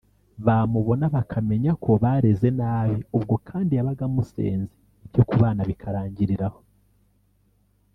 bamubona bakamenya ko bareze nabi; ubwo kandi yabaga amusenze ibyo kubana bikarangirira aho